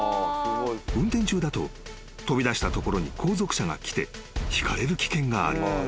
［運転中だと飛び出したところに後続車が来てひかれる危険がある］